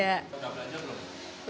udah belanja belum